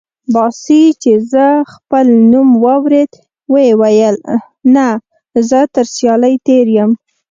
باسي چې خپل نوم واورېد وې ویل: نه، زه تر سیالۍ تېر یم.